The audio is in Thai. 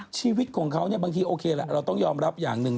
ชีวิตของเขาเนี่ยบางทีโอเคละเราต้องยอมรับอย่างหนึ่ง